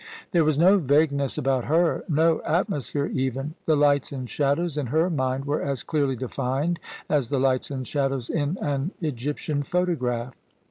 There was no vagueness about her — ^no atmosphere even: the lights and shadows in her mind were as clearly defined as the lights and shadows in an Egyptian photograph.